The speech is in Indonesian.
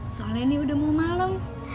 soalnya ini udah mau malu